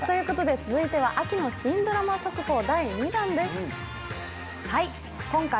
続いては秋の新ドラマ速報第２弾です。